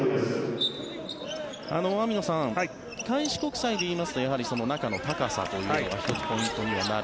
網野さん、開志国際でいいますとやはり中の高さというのが１つ、ポイントにはなる。